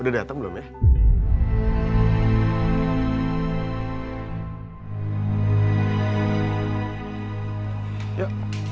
udah dateng belum ya